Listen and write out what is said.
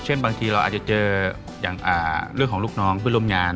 บางทีเราอาจจะเจออย่างเรื่องของลูกน้องเพื่อนร่วมงาน